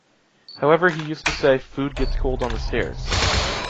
However he used to say “Food gets cold on the stairs